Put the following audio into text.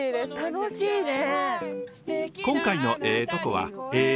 楽しいね。